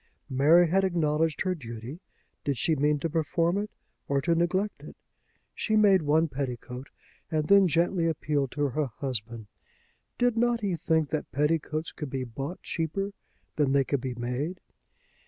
Mary had acknowledged her duty. Did she mean to perform it, or to neglect it? She made one petticoat, and then gently appealed to her husband. Did not he think that petticoats could be bought cheaper than they could be made?